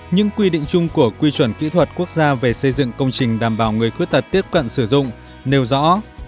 những quy định chung của quy chuẩn kỹ thuật quốc gia về xây dựng công trình đảm bảo người khuyết tật tiếp cận sử dụng nêu rõ